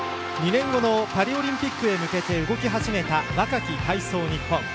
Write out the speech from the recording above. ２年後のパリオリンピックへ向けて動き始めた若き体操日本。